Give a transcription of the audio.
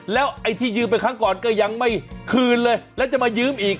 แล้วไอ้ที่ยืมไปครั้งก่อนก็ยังไม่คืนเลยแล้วจะมายืมอีก